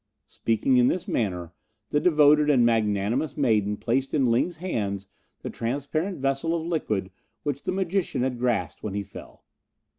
Speaking in this manner the devoted and magnanimous maiden placed in Ling's hands the transparent vessel of liquid which the magician had grasped when he fell.